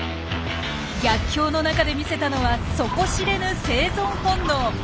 逆境の中で見せたのは底知れぬ生存本能。